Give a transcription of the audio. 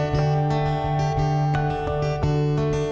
คุณผู้ชมครับโครงสร้างเรื่องของการติดตั้งนั้นเป็นรูปแสงอาทิตย์ได้อย่างเต็มที่ด้วยนะครับ